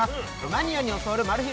マニアに教わるマル秘